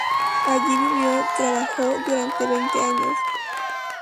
Allí vivió trabajó durante veinte años.